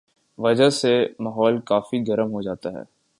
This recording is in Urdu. وجہ سے ماحول کافی گرم ہوجاتا ہے